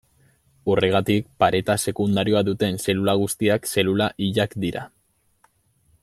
Horregatik, pareta sekundarioa duten zelula guztiak zelula hilak dira.